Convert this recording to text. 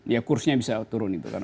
ya kursnya bisa turun itu kan